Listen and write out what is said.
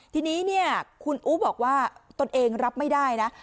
ทีนี้คุณอุ๊บบอกว่าตนเองรับไม่ได้นะ